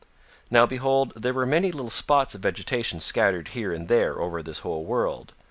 Now, behold, there were many little spots of vegetation scattered here and there over this whole world.